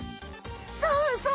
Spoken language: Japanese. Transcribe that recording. そうそう！